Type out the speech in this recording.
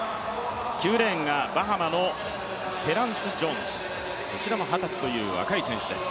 ９レーンがバハマのテランス・ジョーンズ、こちらも二十歳という若い選手です。